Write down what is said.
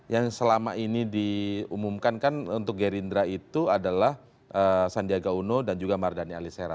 yang selama ini diumumkan kan untuk gerindra itu adalah sandiaga uno dan juga mardani alisera